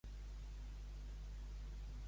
Devessall de paraules.